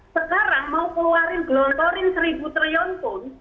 sekarang mau keluarin gelontorin seribu triliun pun